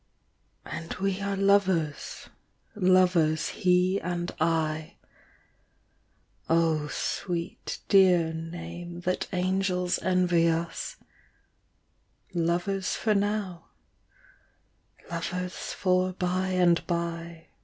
And we are lovers, lovers he and I : Oh sweet dear name that angels envy us ; Lovers for now, lovers for by and by.